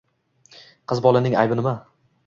Qiz bolaning aybi nima?